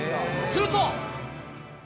すると。